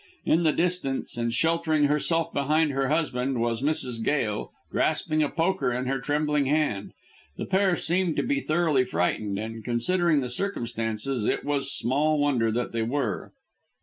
In the distance, and sheltering herself behind her husband, was Mrs. Gail grasping a poker in her trembling hand. The pair seemed to be thoroughly frightened, and, considering the circumstances, it was small wonder that they were.